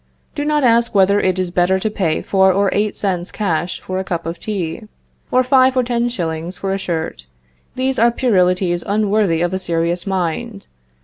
Do not ask whether it is better to pay four or eight cents cash for a cup of tea, or five or ten shillings for a shirt. These are puerilities unworthy of a serious mind.